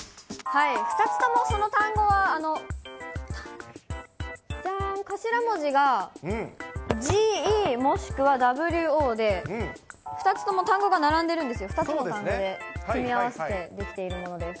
２つもその単語は、じゃん、頭文字がＧ・Ｅ、もしくはＷ・Ｏで、２つとも単語が並んでるんですよ、２つの単語で組み合わせて出来ているものです。